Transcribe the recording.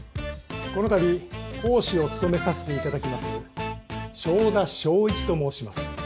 このたび講師を務めさせていただきます正田正一と申します。